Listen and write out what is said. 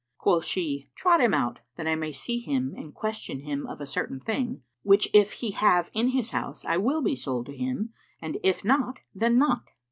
Quoth she, "Trot him out that I may see him and question him of a certain thing, which if he have in his house, I will be sold to him; and if not, then not."